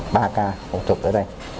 ba ca phẫu thuật ở đây